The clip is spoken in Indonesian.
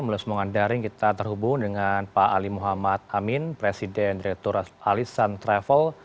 melalui semuangan daring kita terhubung dengan pak ali muhammad amin presiden direktur alisan travel